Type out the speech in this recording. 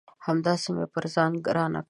همداسي مې پر ځان ګرانه کړه